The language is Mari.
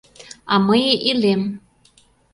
А мые илем